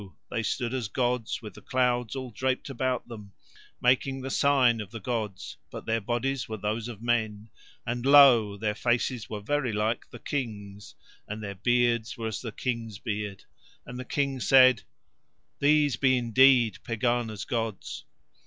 they stood as gods with the clouds all draped about them, making the sign of the gods, but their bodies were those of men, and lo! their faces were very like the King's, and their beards were as the King's beard. And the King said: "These be indeed Pegāna's gods."